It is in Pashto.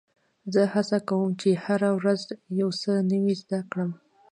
زه هڅه کوم، چي هره ورځ یو څه نوی زده کړم.